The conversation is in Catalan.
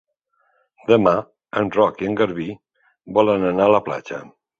Demà en Roc i en Garbí volen anar a la platja.